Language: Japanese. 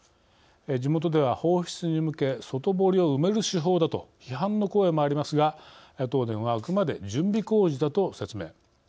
地元では放出に向け外堀を埋める手法だと批判の声もありますが東電はあくまで準備工事だと説明。